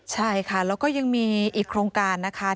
ใช่ค่ะแล้วก็ยังมีอีกโครงการนะคะ